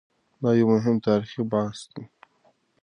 دا یو مهم تاریخي بحث دی.